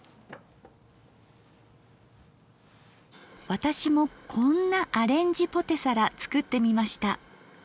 私もこんなアレンジポテサラ作ってみました。